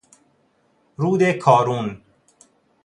رود کارون